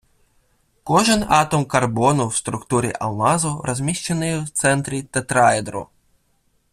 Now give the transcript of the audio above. Кожен атом карбону в структурі алмазу розміщений в центрі тетраедру